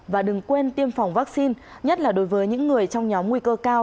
và đừng quên tiêm phòng vaccine nhất là đối với những người trong nhóm nguy cơ cao